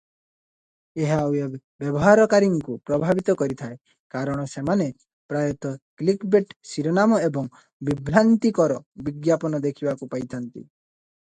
ଏହା ୱେବ ବ୍ୟବହାରକାରୀଙ୍କୁ ପ୍ରଭାବିତ କରିଥାଏ କାରଣ ସେମାନେ ପ୍ରାୟତଃ କ୍ଲିକବେଟ ଶିରୋନାମ ଏବଂ ବିଭ୍ରାନ୍ତିକର ବିଜ୍ଞାପନ ଦେଖିବାକୁ ପାଇଥାନ୍ତି ।